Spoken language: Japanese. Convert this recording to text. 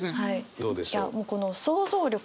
どうでしょう？